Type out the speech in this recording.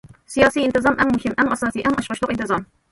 سىياسىي ئىنتىزام ئەڭ مۇھىم، ئەڭ ئاساسىي، ئەڭ ئاچقۇچلۇق ئىنتىزام.